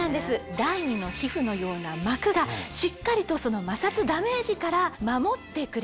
第２の皮膚のような膜がしっかりとその摩擦ダメージから守ってくれて。